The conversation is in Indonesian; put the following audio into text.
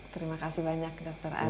terima kasih banyak dokter andi